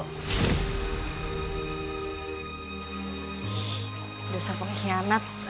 hih dosa pengkhianat